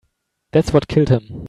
That's what killed him.